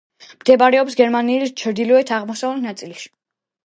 მდებარეობს გერმანიის ჩრდილო-აღმოსავლეთ ნაწილში.